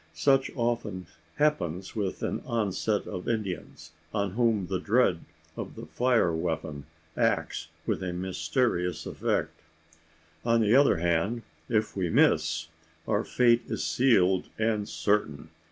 Such often happens with an onset of Indians on whom the dread of the fire weapon acts with a mysterious effect. On the other hand, if we miss, our fate is sealed and certain.